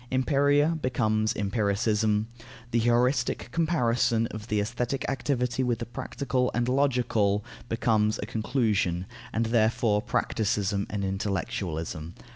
Empiria becomes empiricism, the heuristic comparison of the aesthetic activity with the practical and logical, becomes a conclusion, and therefore practicism and intellectualism.